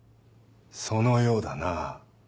そのようだな。